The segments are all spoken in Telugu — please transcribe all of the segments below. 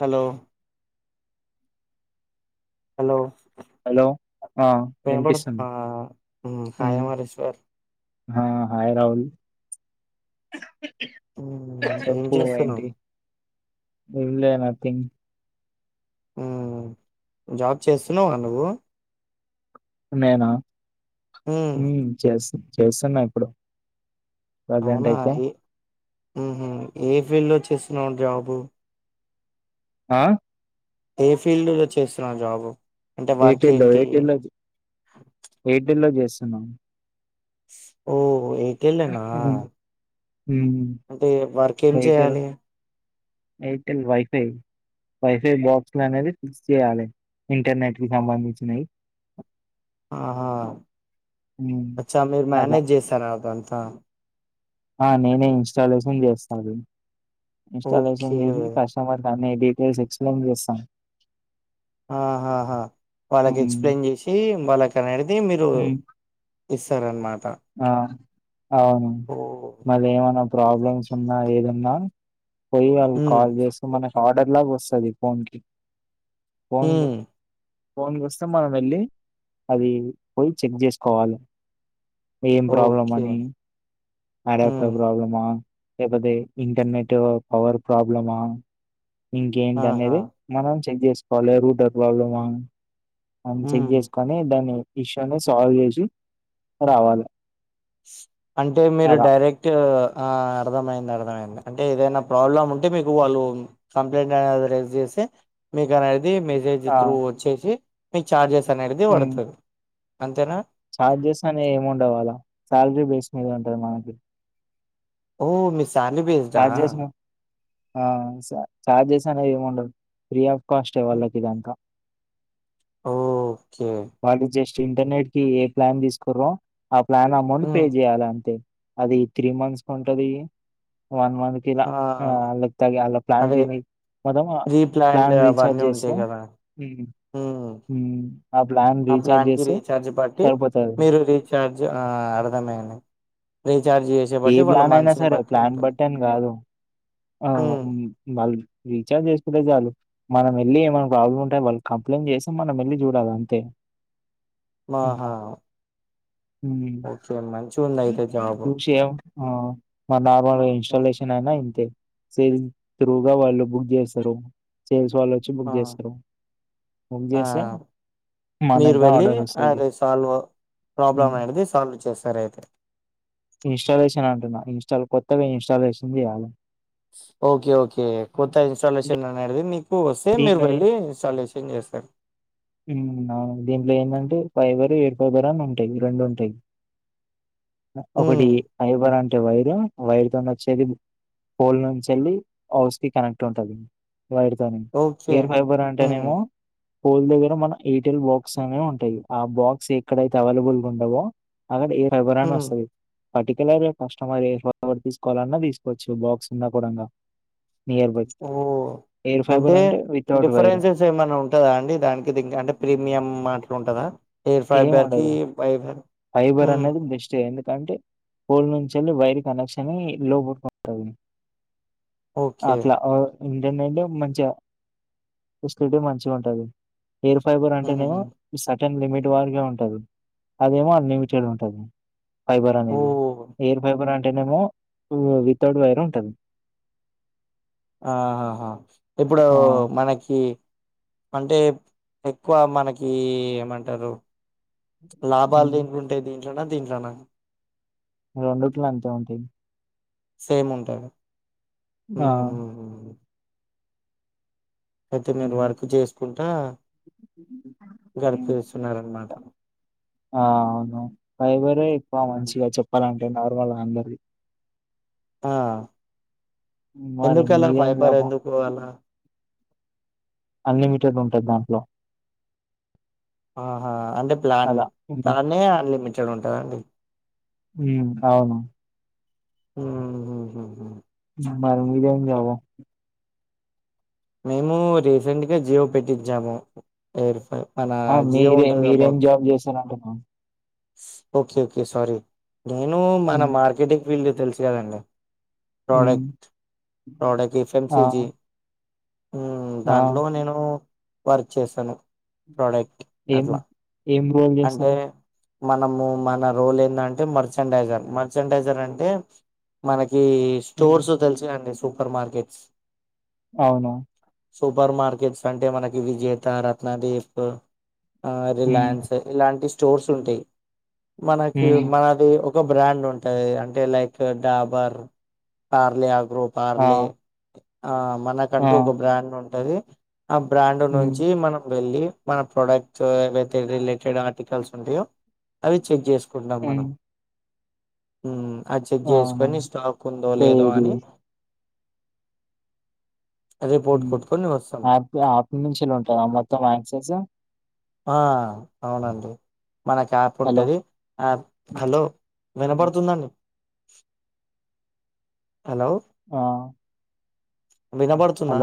హలో హలో హలో ఆ వినిపిస్తుంది వినబడుతుందా ఆ హయమరశర్ హా హాయ్ రాహుల్ మ్ ఏం చెప్పు చేస్తున్నావ్ ఏంటి ఏంలేదు నథింగ్ ఉమ్ జాబ్ చేస్తున్నావా నువ్వు నేనా మ్ ఉమ్ చేస్ చేస్తన్నా ఇప్పుడు ప్రజెంటయితే ఉహు ఏ ఫీల్డ్ లో చేస్తున్నావు జాబు ఆ ఏ ఫీల్డ్ లో చేస్తున్నావు జాబు అంటే వర్క్ ఎయిర్టెల్ ఏంటి ఎయిర్టెల్ లో ఎయిర్టెల్ లో చేస్తున్నాం. ఓ ఏర్టెల్లేనా ఉమ్ ఎయిర్టెల్ చేయాలి ఎయిర్టెల్ వైఫై వైఫై బాక్స్లు అనేది ఫిక్స్ చేయాలి. ఇంటర్నెట్ కి సంబంధించినయ్ ఆహా హ్మ్ అచ్చా మీరు అట్లా మ్యానేజ్ చేసార అదంతా ఆ నేనే ఇన్స్టాలేషన్ చేస్తా అవి ఇన్స్టాలేషన్ ఓకే చేసి కస్టమర్ అన్నీ డీటెయిల్స్ ఎక్స్ప్లెయిన్ చేస్తాం ఆహాహా వాళ్ళకి హ్మ్ ఎక్స్ప్లెయిన్ చేసి మనకనేటిది మీరు హ్మ్ ఇస్తారన్మా ఆ అవును మళ్ళ ఏమనా ప్రాబ్లమ్స్ ఉన్నా ఏద న్నా పోయి వాళ్ళు హ్మ్ కాల్ చేస్తే మనకి ఆర్డర్ లాగా వస్తుంది ఫోన్ కి ఊమ్ ఫోన్ కొస్తే మనం వెళ్ళి అది పోయి చెక్ చేసుకోవాలి ఏం ప్రాబ్లం ఓకే. అని అడాప్టర్ హ్మ్. ప్రాబ్లమా లేపోతే ఇంటర్నెట్ పవర్ ప్రాబ్లమా ఇంకేంటి ఆహా! అనేది మనం చెక్ చేసుకోవాలి రూడర్ ప్రాబ్లమా మనం చెక్ హ్మ్. చేసుకొని దాని ఇష్యూని సాల్వ్ చేసి రావాలి. అంటే మీరు అలా డైరెక్ట్ ఆ అర్థమైంది అర్థమైంది అంటే ఏదైనా ప్రాబ్లమ్ ఉంటే మీకు వాళ్ళు కంప్లైంట్ రైజ్ అంతే మీకార్ అది మెసేజ్ ఆ త్రు వచ్చేసి మీ చార్జెస్ అనేది హ్మ్. పడుతుంది అంతేనా చార్జెస్ అనే ఎం ఉండదు అవ్వాలా సాలరీ బేస్ మీద ఉంటది మాకు ఓ మీది శాలరీ బేస్డ్ ఆ చార్జెస్ ఆ స చార్జెస్ ఆలా ఎం ఉండవ్ ఫ్రీ ఆఫ్ ఫస్ట్ వాళ్ళకి ఇదంతా ఓ ఓకే ఇంటర్నెట్ కి ఏ ప్లాన్ తీసుకుర్రో ఆ ప్లాన్ అమౌంట్ పే హ్మ్. చేయాలి అంతే అది త్రీ మంత్స్ కు ఉంటది వన్ మంత్ ఇలా ఆ! అల్ ఇంత ప్లాన్ అదే వ్ మనము ప్రీ ప్లాన్డ్ ప్లాన్ రీఛార్జ్ అవన్నీ చేస్తా ఉంటాయి కదా! మ్మ్ హ్మ్. మ్మ్ ఆ ప్లాన్ కి రీఛార్జ్ బట్టి సరిపోతది. మీరు రీచార్జ్ ఆహ్ అర్ధం అయ్యింది ఏ ప్లాన్ అయినా సరే ఉంటది ప్లాంబట్టి అన్ని కాదు ఆ ఉమ్ మ్ మల్ రీచార్జ్ చేసుకుంటే చాలు మనం వెళ్ళి ఏమైనా ప్రాబ్లం ఉంటే వాళ్ళు కంప్లైంట్ చేస్తే మనం వెళ్ళి చూడాలి అంతే మా ఆహా హ్మ్. ఓకే మంచి ఉంది అయితే జాబ్ డాబా ఇస్టాలేషన్ అయినా ఇంతే సింగ్ త్రూగా వాళ్ళు బుక్ చేస్తారు ఫ్రెండ్స్ వాళ్ళు వచ్చి బుక్ ఆ చేస్తారు బుక్ ఆ చేస్తా మీరు వెళ్ళి అది సాల్వ్ ప్రాబ్లమ్ అనేది సాల్వ్ చేస్తారు అయితే ఇన్స్టాలేషన్ అంటున్నా ఇన్స్టాల్ కొత్తగా ఇన్స్టాల్ చేసింది చేయాలి ఓకే ఓకే కొత్త అంటే ఇన్స్టాలేషన్ ఆనేటిది మీ పొసే మీరు దీంట్లో ఏ- వెళ్ళి ఇన్స్టాల్యూషన్ చేస్తారు ఉమ్, అవును. దీంట్లో ఏంటంటే ఫైబర్ ఎయిర్ ఫైబర్ అని ఉంటాయి రెండు ఉంటాయి ఉమ్ ఒకటి ఫైబర్ అంటే వైరు వైర్తో వచ్చేది పూల్ నుంచి వెళ్ళి హౌస్ కనెక్ట్ ఉంటదీ వైరుతో ఓకే ఎయిర్ పైపర్ అంటేనే ఉమ్ ఏమో పోల్ దగ్గర మన ఎయిర్టెల్ బాక్స్ అనే ఉంటాయి ఆ బాక్స్ ఎక్కడైతే అవైలబుల్ ఉండవో అక్కడ ఏ రాబర్రా అని ఉమ్ వస్తది పర్టిక్యలర్ గా కష్టమైస్ ఏ ఫర్వర్ తీసుకోవాలన్నా తీసుకోవచ్చు బాక్స్ ఉన్నా కూడా నియర్ బై ఓ హెయిర్ ఫైబర్ అంటే వితౌట్ వైర్ డిఫరెన్సెస్ ఏమైన్నా ఉంటదా అండి దానికి దీనికి అంటే ప్రీమియం అట్లా ఉంటదా ఎయిర్ ఏమి ఫైబర్ కి ఉండదు ఫైబర్ ఫైబర్ ఉమ్ అనేది బెస్ట్ ఏ ఎందుకంటే పోల్ నుంచి వెళ్ళి వైర్ కనెక్షన్ అయి లోపలికి ఉంటాది ఓకే అట్లా ఓ ఇంకేందంటే మంచిగా ఫెసిలిటీ మంచిగా ఉంటది ఎయిర్ ఫైబర్ అంటేనే ఏమో ఉహు సెటెన్ లిమిట్ వారీగా ఉంటంది అదేమో అన్లిమిటెడ్ ఉంటది ఫైబర్ ఓ అనేది ఎయిర్ ఫైబర్ అంటే అంటేనెమో వితౌట్ వైర్ ఉంటుంది ఆహాహా ఇప్పుడు మనకి అంటే ఎక్కువ మనకి ఏం అంటారు లాభాలు ఉమ్. దెంట్లుంటయి దీంట్లనా దీంట్లనా రెండిట్ల అంతే ఉంటాయి సేమ్ ఉంటాద ఆ ఇపుడు మీరు ఉమ్. వర్క్ చేసుకుంటా గడిపేస్తున్నారన్నమాట ఆ అవును ఫైబరే ఎక్కువ ఉమ్. మంచిగా చెప్పాలంటే నార్మల్గా అందరి ఆ మరి ఎందుకు అలా మీదేం ఫైబర్ లాభం ఎందుకు అలా అన్లిమిటెడ్ ఉంటది దాంట్లో ఆహా అంటే ప్లాన్ అలా ఉమ్, ప్లానే అన్లిమిటెడ్ ఉంటదండి ఉమ్ అవును మ్ మ్ హు హు [unintelligible] మేము రీసెంట్ గా జియో పెట్టించాము ఎయిర్ ఫర్ ఆ మీరే మీరేం జాబ్ చేస్తారాంటున్న ఓకే ఓకే సారీ నేను మన మార్కెటింగ్ ఫీల్డ్ తెలుసుగదండి ప్రోడక్ట్ ప్రోడక్ట్ ఆ ఎఫ్ఎంసిజి హు మ్ ఆ దాంట్లో నేను వర్క్ చేస్తాను ప్రోడక్ట్ ఏం అట్లా ఏం రోల్ అంటే చేస్తానవ్ మనము మన రోల్ ఏందంటే మర్చండైజర్ మర్చండైజర్ అంటే మన ఈ ఉమ్, స్టూర్స్ తెలుసు గాదండి సూపర్ మార్కెట్స్ అవును సూపర్ మార్కెట్స్ అంటే మనకి విజేత రత్నదీప్ ఆ హ్మ్. రిలయన్స్ ఇలాంటి స్టోర్స్ ఉంటాయ్ మనకి హ్మ్. మనది ఒ బ్రాండ్ ఉంటది అంటే లైక్ డాబర్ పార్లీయక్ రూ ఆ! పార్లే ఆ ఆ! మనకంటూ ఒక బ్రాండ్ ఉంటది ఆ బ్రాండ్ హ్మ్. నుంచి మనం వెళ్లి మన ప్రొడక్ట్స్ ఏవైతే రిలే టేడ్ ఆర్టికల్స్ ఉంటాయో అవి చెక్ చేసుకుంటాం మనం హ్మ్. హు మ్ అది చెక్ అవునా! చేసుకొని స్టాక్ ఉందో అంటే లేదో ఇది అని హు రిపోర్ట్ మ్ కొట్టుకొని వస్తాం యాప్ యాపినుంచే ఉంటదా మొత్తం ఆక్సెన్స్ ఆ అవునండి మనకు యాప్ హలో! ఉంటంది అ హ్మ్. హలో హ్మ్. వినబడుతుందండి హలో ఆ! వినబడుతుందా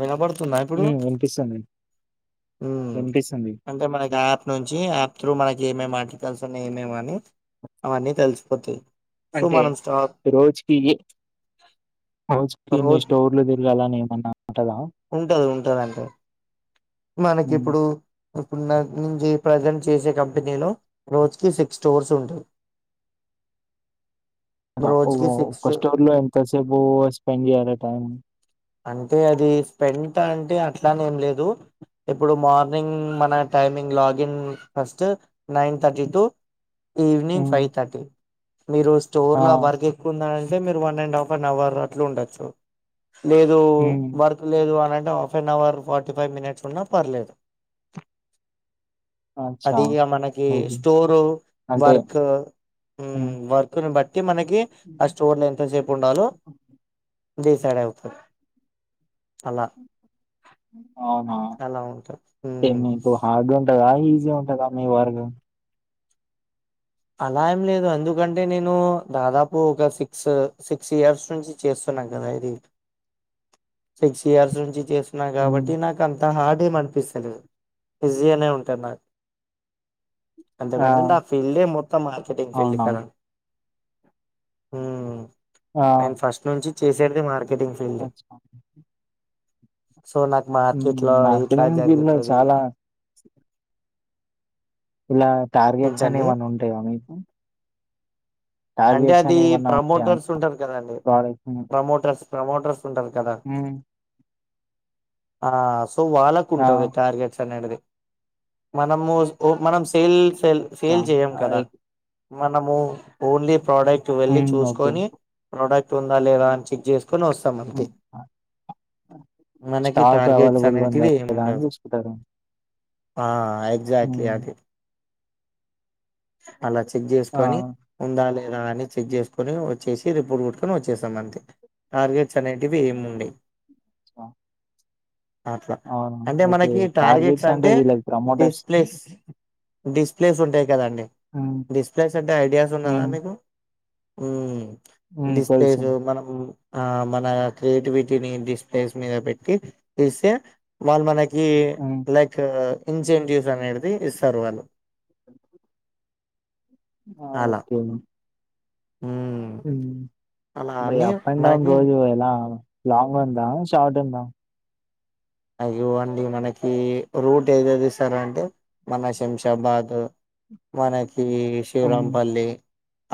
వినబడుతు మ్ వినిపిస్తుంది మ్మ్ వినిపిస్తుంది అంటే మనకి యాప్ నుంచి యాప్ త్రూ మనకి ఏమేమ్ ఆర్టికల్స్ని ఏమేమని అవన్నీ తెలిసిపోతయ్ అంటే రోజుకి రోజుకి ఇన్ని రోజు స్టోర్ తిర్గాలా ని ఎమ్ ఉంటది ఉంటదంటే హ్మ్. మనకిప్పుడు ఇప్పుడు నా నేన్ జే ప్రజెంట్ చేసే కంపెనీలో రోజుకి సిక్స్ స్టోర్స్ ఉంటాయ్ ఒ రోజుకి సిక్స్ ఒక స్టోర్ లో ఎంత సేపు స్పెండ్ చేయలే టైమ్ అంటే అది స్పెంట్ అంటే అట్లాని ఏం లేదు ఇప్పుడు మార్నింగ్ మన timing login first nine thirty to evening హ్మ్. ఫైవ్ థర్టీ మీరు స్టోర్ ఆ! ల వర్క్ ఎక్కువుందన్ టే మీరు one and half an hour అట్లుండొచ్చు లేదు హ్మ్. వర్క్ లేదు అని అంటే half an hour forty five minutes ఉన్నా పర్లేదు అచ్చా! అదిగా మనకి ఓకే. స్టోరు అంటే వర్క్ మ్ వర్క్ ని బట్టి మనకి ఆ హ్మ్. స్టోర్ లో ఎంతసేపు ఉండాలో డిసైడ్ అవుతాద్ అవునా అలా ఉంటది మ్మ్ మీకు హార్డ్ గా ఉంటదా ఈజీగా ఉంటందా మీ వర్గ్ అలా ఏం లేదు ఎందుకంటే నేను దాదాపు ఒక సిక్స్ సిక్స్ ఇయర్స్ నుంచి చేస్ న్నాం గదా ఇది సిక్స్ ఇయర్స్ నుంచి చేస్ న ఉమ్. కాబట్టి నాకు అంత హార్డ్ ఏం అనిపిస్తలేదు ఈజ్జి గానే ఉంటద్ నాక్ ఎందుకంటుంటే ఆ ఫీల్డే మొత్తం మార్కెటింగ్ ఫీల్డ్ అవునా కదా హుమ్ ఆ నేను ఫస్ట్నుంచి చేసేటిది మార్ అచ్చా సో నాకు ఉమ్, మార్కెట్లో ఇట్లా మార్కెటింగ్ ఫీల్డ్ లో జరుగుతది చాలా ఇలా టార్గెట్స్ అనే ఏంటండి ఏమన్న ఉంటాయా మీకు అంటే టార్గెట్స్ అది అని ఏమన్నా ఉంటాయా ప్రమోటర్స్ ఉంటారు కదండి ప్రోడక్ట్ ప్రమోటర్స్ ప్రమోటర్స్ ఉంటారు కదా ఆ సో అచ్చా. వాళ్ళకుంటది ఆ టార్గెట్స్ అనేది మనము ఒ మనం సెల్ అచ్చా సేల్ చేయం కదా మనము ఓన్లీ ప్రోడక్ట్ వెళ్ళలి ఓకే చూసుకొని ప్రోడక్టుందా లేదా అని చెక్ చేస్ కోనోస్తమంతే ఉమ్, ఆ, మనకి స్టాక్ టార్గెట్స్ అవైలబుల్గా ఉందా అనేటివి లేదా అని ఏముండదు చూసుకుంటారు ఆ ఎక్జాక్ట్లీ ఉమ్, అది అలా చెక్ ఆ చేసుకొని ఉండాలే ఇలా అన్ని చెక్ చేసుకొని వచ్చేసి రిపోర్ట్ కొట్టుకొని వచ్చేస్థం అంతే టార్గెట్స్ అనేటివి ఏంముండై అచ్చ అట్లా అంటే మనకి టార్గెట్స్ అంటే డిస్ప్లేస్ డిస్ప్లేస్ ఉంటాయ్ కదండి ఉమ్, డిస్ప్లేస్ అంటే ఐడియాస్ ఉన్నాదా ఉమ్. మీకు హుమ్ హ్మ్ తెలుసు. డిస్స్లేస్ మనం ఆ మన క్రియేట్విటీని డిస్ప్లేస్ మీద పెట్టి ఇస్తే వాళ్ళు మనకి హ్మ్. ఈ లైక్ ఇన్సెంటివ్స్ అనేడ్ది ఇస్తరు వాళ్ళు ఆ అలా ఓకేండి మ్మ్ హుమ్ అలా మరి అని అప్ అండ్ డౌన్ మనకి రోజు ఎలా లాంగుందా షార్టుందా అయ్యొ అండి మనకి రూట్ ఏదేదిస్తారంటే మన శంషాబాద్ మనకీ హ్మ్. శివరాంపల్లి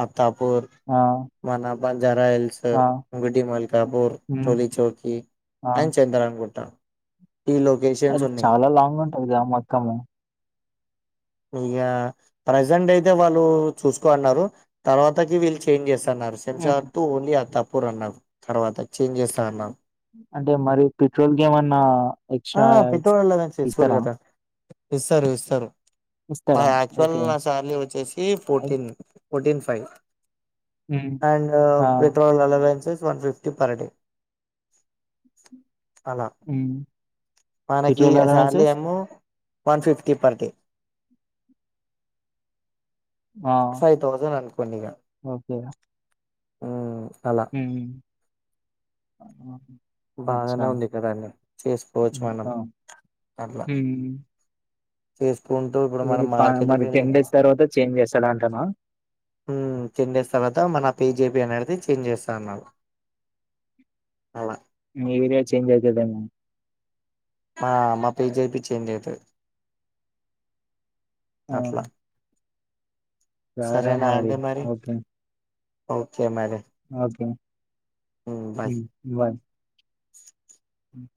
అత్తాపూర్ ఆ! మన బంజారల్స్ ఆ! గుడోమల్కాపూర్ హ్మ్. టోలి చౌకి ఆ! అండ్ చంద్రాయన్ గుట్ట అది చాలా లాంగుంటది కదా ఆ మొత్తము ఇగ ప్రజెంట్ అయితే వాళ్ళు చూసుకోన్నారు తర్వాతకి వీళ్ళ్చేంజ్ చేస్ తన్నారు హ్మ్. శంషబాద్ టూ ఓన్లీ అత్తప్పుర్ అన్నారు తర్వాత చేంజ్ చేస్తనన్నారు అంటే మరి పెట్రోల్కేమన్నా ఆ ఎక్స్ట్రా పెట్రోల్ అలవెన్స్ ఇస్తారు ఇస్తారా కదా ఇస్తారు ఇస్తారు ఇస్తారా? మాద్ యాక్చువల్ ఓకే. నా సార్లీ వచ్చేసి అయి ఫోర్టీన్ ఫోర్టీన్ ఫైవ్ హ్మ్. అండ్ ఆ! Petrol allowances one fifty per day అలా హ్మ్. మనకి పెట్రోల్ సార్లి అలవెన్సెస్? ఏమో వన్ ఫిఫ్టీ పర్డే ఆ! ఫైవ్ థౌసండ్ అనుకోండి ఇగ హుమ్ హుమ్ బాగానే ఉంది కదండి చేస్కోచ్చు మనం ఇంకా అట్లా చేస్ మీ ప మరి టెన్ డేస్ తర్వాత చేంజ్ చేస్తాడంటానా హుమ్ చేంజ్ చేస్తాడట మన పీజేపి అనేది చేంజ్ జేస్తాన్నాడు అలా మీ ఏరియా చేంజ్ అయితదన్నా ఆ మా పేజేపి చేంజ్ అయితది ఆ అట్ల సరే సరేనా అండి మరి ఓకే ఓకే మరే ఓకే బాయ్ హుమ్ బాయ్ ఉహ్